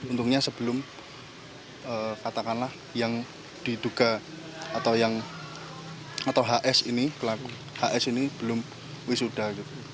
untungnya sebelum katakanlah yang diduga atau yang atau hs ini belum wisuda